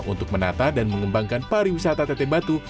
untuk menata dan mengembangkan pariwisata teteh batu